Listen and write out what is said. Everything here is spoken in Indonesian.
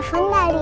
kita pun dengerin